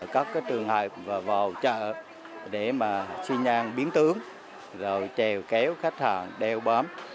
các trường hợp vào chợ để xin ăn biến tướng rồi trèo kéo khách hàng đeo bám